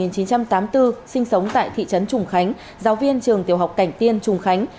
sinh sống tại thị trấn trùng khánh giáo viên trường tiểu học cảnh tiên trùng khánh